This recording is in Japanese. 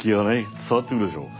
伝わってくるでしょ。